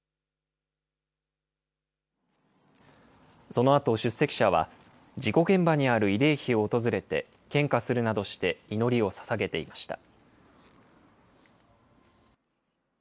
そのあと出席者は、事故現場にある慰霊碑を訪れて、献花するなどして祈りをささげていました。